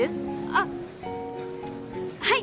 あっはい。